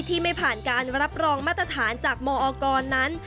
ที่ไม่ผ่านการรับรองมาตรฐานจากมอกรนั้น